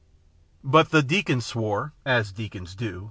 But the Deacon swore (as Deacons do.